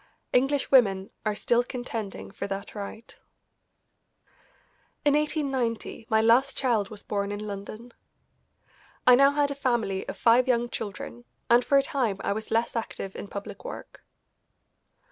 English women are still contending for that right. In 1890 my last child was born in London. I now had a family of five young children, and for a time I was less active in public work.